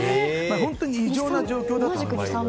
本当に異常な状況だと思います。